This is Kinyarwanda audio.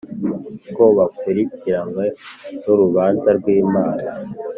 ko bakurikiranywe n’urubanza rw’Imana;